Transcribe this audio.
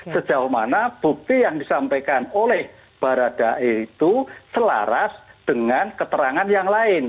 sejauh mana bukti yang disampaikan oleh baradae itu selaras dengan keterangan yang lain